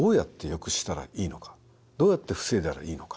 どうやって防いだらいいのか。